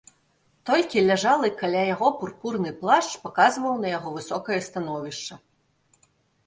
Толькі ляжалы каля яго пурпурны плашч паказваў на яго высокае становішча.